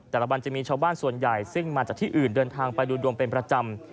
แต่ละวันจะมีชาวบ้านส่วนใหญ่ซึ่งมาจากที่อื่นเดินทางไปดูดวงเป็นประจำ